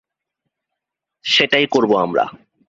সেটাই করবো আমরা।